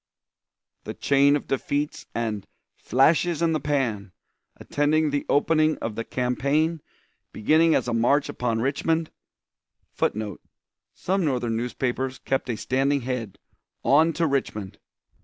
_" The chain of defeats and "flashes in the pan" attending the opening of the campaign beginning as a march upon Richmond, [Footnote: Some Northern newspapers kept a standing head: "On to Richmond!"